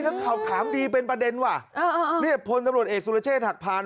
นักข่าวถามดีเป็นประเด็นโคนตำรวจอีกซูลาเชี่ยนหักผาร